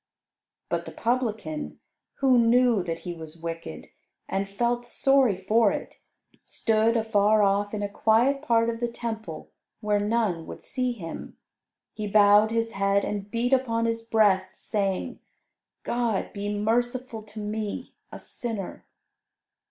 But the Publican, who knew that he was wicked, and felt sorry for it, stood afar off in a quiet part of the Temple where none would see him. He bowed his head and beat upon his breast, saying, "God be merciful to me a sinner."